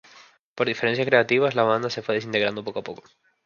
Por diferencias creativas la banda se fue desintegrando poco a poco.